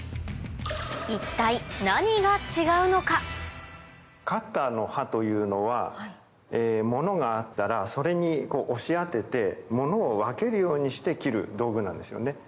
一体カッターの刃というのはモノがあったらそれに押し当ててモノを分けるようにして切る道具なんですよね。